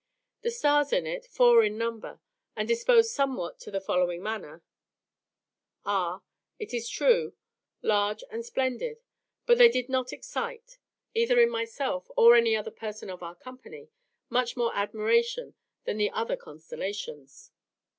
The stars in it, four in number, and disposed somewhat in the following manner, are, it is true, large and splendid; but they did not excite, either in myself or any other person of our company, much more admiration than the other constellations.